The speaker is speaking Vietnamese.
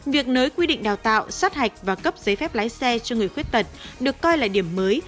việc nới quy định đào tạo sát hạch và cấp giấy phép lái xe cho người khuyết tật được coi là điểm mới